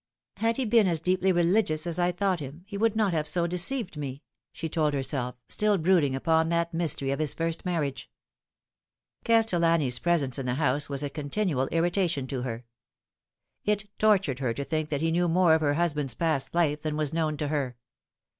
" Had he been as deeply religious as I thought him, he would Lifting the Curtain. 123 not have so deceived me," she told herself, still brooding upon that mystery of his first marriage. Castellani's presence in the house was a continual irritation to her. It tortured her to think that he knew more of her hus band's past life than was known to her.